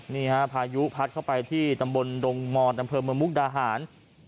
นี่ฮะพายุพัดเข้าไปที่ตำบลดงมตำเภอมุกดาหาร